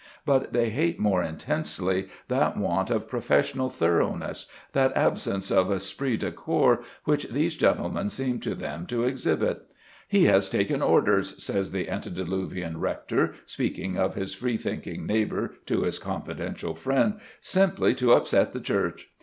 But they hate more intensely that want of professional thoroughness, that absence of esprit de corps, which these gentlemen seem to them to exhibit. "He has taken orders," says the antediluvian rector, speaking of his free thinking neighbour to his confidential friend, "simply to upset the Church!